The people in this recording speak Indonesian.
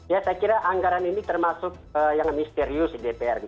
ya saya kira anggaran ini termasuk yang misterius di dpr